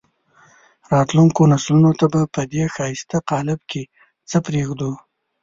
راتلونکو نسلونو ته به په دې ښایسته قالب کې څه پرېږدو.